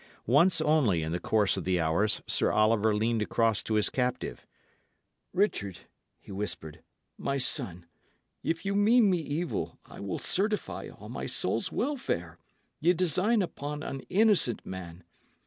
Once only, in the course of the hours, Sir Oliver leaned across to his captive. "Richard," he whispered, "my son, if ye mean me evil, I will certify, on my soul's welfare, ye design upon an innocent man.